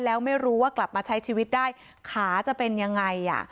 แล้วไม่รู้ว่ากลับมาใช้ชีวิตได้ขาจะเป็นยังไง